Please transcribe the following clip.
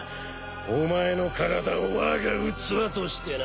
お前の体を我が器としてな！